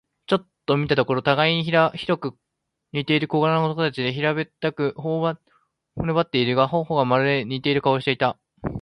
ちょっと見たところ、たがいにひどく似ている小柄な男たちで、平べったく、骨ばってはいるが、頬がまるまるしている顔をしていた。